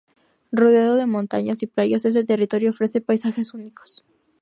Rodeado de montañas y playas, este territorio ofrece paisajes únicos.